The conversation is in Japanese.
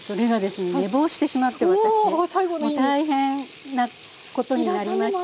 もう大変なことになりましたが。